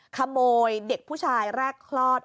ขโมยเด็กผู้ชายแรกคลอด